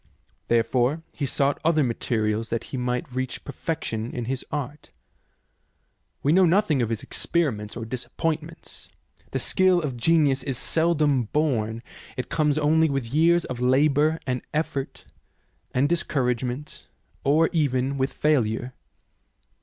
Therefore he sought other materials that he might reach perfection in his art. We know nothing of his experiments or disappointments. The skill of genius is seldom born ; it comes only with years of labour and effort and discouragement, or even with failure.